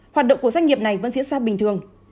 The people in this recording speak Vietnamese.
hoạt động của doanh nghiệp này vẫn diễn ra bình thường